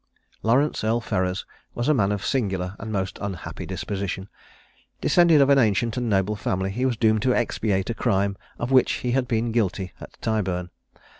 Laurence, Earl Ferrers, was a man of singular and most unhappy disposition. Descended of an ancient and noble family, he was doomed to expiate a crime, of which he had been guilty, at Tyburn.